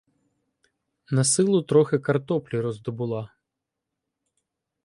Насилу трохи картоплі роздобула.